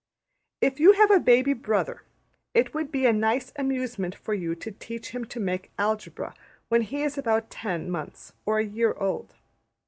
If you have a baby brother, it would be a nice amusement for you to teach him to make Algebra when he is about ten months or a year old.